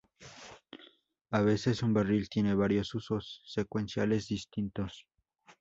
A veces un barril tiene varios usos secuenciales distintos.